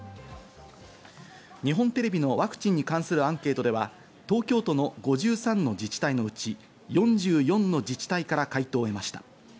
日本テレビのワクチンに関するアンケートでは東京都の５３自治体のうち４４の自治体から回答を得ました。